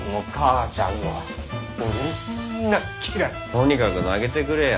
とにかく投げてくれや。